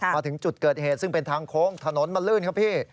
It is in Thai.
มาถึงจุดเกิดเหตุซึ่งเป็นทางโค้งถนนมันลื่นครับพี่